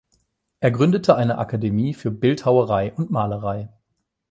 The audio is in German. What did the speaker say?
Er gründete eine Akademie für Bildhauerei und Malerei.